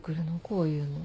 こういうの。